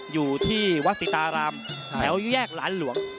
อยู่ที่วัดสิตารามแถวแยกหลานหลวง